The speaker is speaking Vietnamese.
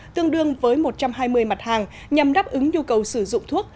tương đương với một trăm hai mươi mặt hàng nhằm đáp ứng nhu cầu sử dụng thuốc